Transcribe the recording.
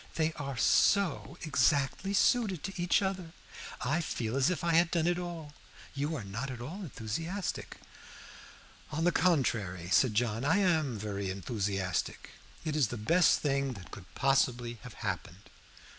"They are so exactly suited to each other. I feel as if I had done it all. You are not at all enthusiastic." "On the contrary," said John, "I am very enthusiastic. It is the best thing that could possibly have happened."